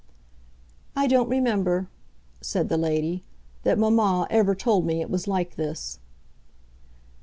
"I don't remember," said the lady, "that mamma ever told me it was like this."